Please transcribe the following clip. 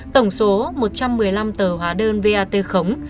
tổng số một trăm một mươi năm tờ hóa đơn vat khống